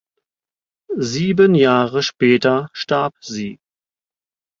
Sieben Jahre später starb sie.